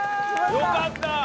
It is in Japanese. よかった。